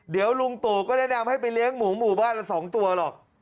เดี๋ยวลุงตู่ก็แนะนำให้ไปเลี้ยงหมูหมู่บ้านละ๒ตัวหรอก